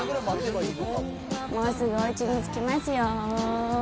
もうすぐおうちに着きますよ。